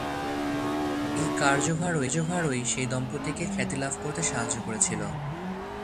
এই কার্যভারই সেই দম্পতিকে খ্যাতি লাভ করতে সাহায্য করেছিল।